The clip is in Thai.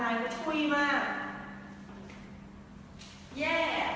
เย่